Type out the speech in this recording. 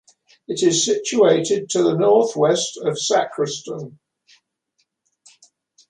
It is situated to the north-west of Sacriston.